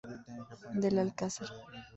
Del Alcázar.